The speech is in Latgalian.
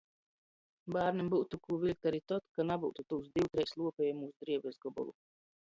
Bārnim byutu kū viļkt ari tod, ka nabyutu tūs div treis luopejamūs drēbis gobolu.